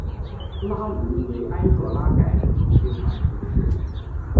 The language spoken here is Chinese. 拉卢维埃洛拉盖人口变化图示